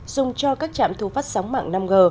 dùng cho các trạm thu phát sóng mạng năm g